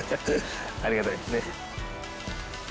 ありがたいですね。